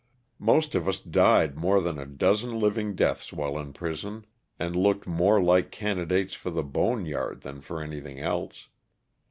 Most of us died more than a dozen living deaths while in prison, and looked more like candidates for the bone yard than for anything else.